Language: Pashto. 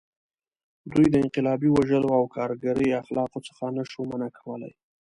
دوی د انقلابي وژلو او کارګري اخلاقو څخه نه شوای منع کولی.